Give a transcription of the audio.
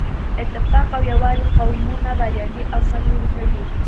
اتفاق او یووالی قومونه بریالي او سرلوړي کوي.